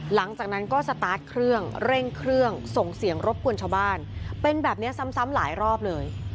หลังจากนั้นก็สตาร์ทเครื่องเร่งเครื่องส่งเสียงรบกวนชาวบ้านเป็นแบบนี้ซ้ำหลายรอบเลย